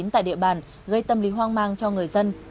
tại địa bàn gây tâm lý hoang mang cho người dân